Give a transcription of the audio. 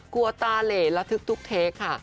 กลัวตาเหล่และทึกเทคค่ะ